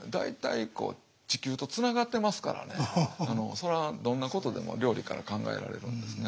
それはどんなことでも料理から考えられるんですね。